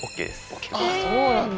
あそうなんだ。